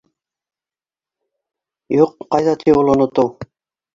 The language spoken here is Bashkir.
— Юҡ, ҡайҙа ти ул онотоу.